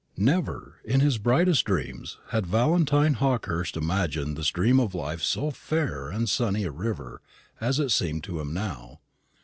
Never, in his brightest dreams, had Valentine Hawkehurst imagined the stream of life so fair and sunny a river as it seemed to him now.